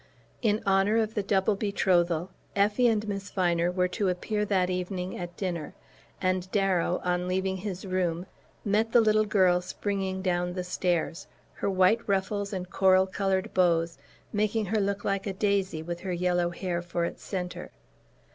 In honour of the double betrothal Effie and Miss Viner were to appear that evening at dinner; and Darrow, on leaving his room, met the little girl springing down the stairs, her white ruffles and coral coloured bows making her look like a daisy with her yellow hair for its centre.